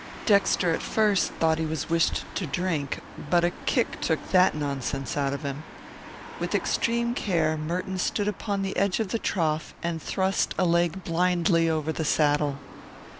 Dexter at first thought he was wished to drink, but a kick took that nonsense out of him. With extreme care Merton stood upon the edge of the trough and thrust a leg blindly over the saddle.